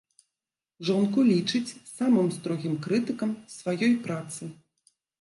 Жонку лічыць самым строгім крытыкам сваёй працы.